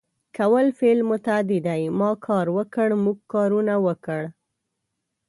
کول فعل متعدي دی ما کار وکړ ، موږ کارونه وکړ